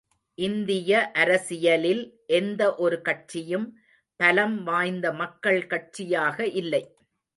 இந்திய அரசியலில் எந்த ஒரு கட்சியும் பலம் வாய்ந்த மக்கள் கட்சியாக இல்லை.